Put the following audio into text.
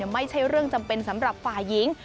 ไม่ใช่เรื่องจำเป็นสำหรับฝ่ายหญิง